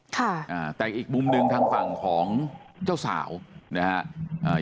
แต่อีกมุมหนึ่งทางฝั่งของเจ้าสาวนะฮะ